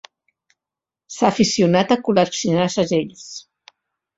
S'ha aficionat a col·leccionar segells.